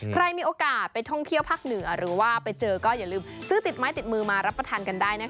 ใครมีโอกาสไปท่องเที่ยวภาคเหนือหรือว่าไปเจอก็อย่าลืมซื้อติดไม้ติดมือมารับประทานกันได้นะคะ